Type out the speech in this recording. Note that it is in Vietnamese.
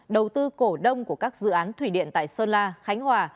đầu tư cổ đông của các dự án thủy điện tại sơn la khánh hòa